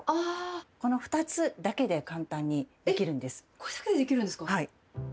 これだけでできるんですか？